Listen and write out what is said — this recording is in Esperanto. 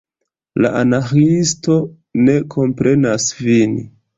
La Anarĥiisto ne komprenas vin.